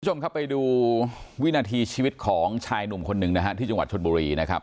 คุณผู้ชมครับไปดูวินาทีชีวิตของชายหนุ่มคนหนึ่งนะฮะที่จังหวัดชนบุรีนะครับ